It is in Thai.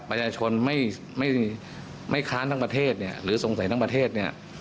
ประชาชนไม่ค้านทั้งประเทศเนี่ยหรือสงสัยทั้งประเทศเนี่ย